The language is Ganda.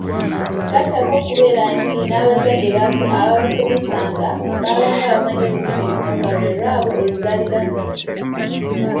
Gattako okubeera nti n’abazadde abaabasomesanga baabanga bamanyi Olulimi lumu nga lwe lwabwe oluzaaliranwa.